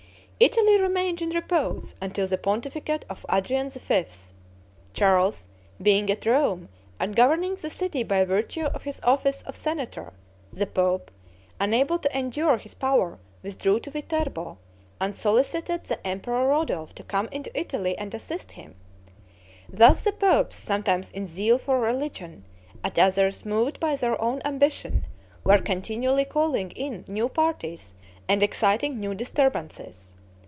Italy remained in repose until the pontificate of Adrian V. Charles, being at Rome and governing the city by virtue of his office of senator, the pope, unable to endure his power, withdrew to Viterbo, and solicited the Emperor Rodolph to come into Italy and assist him. Thus the popes, sometimes in zeal for religion, at others moved by their own ambition, were continually calling in new parties and exciting new disturbances.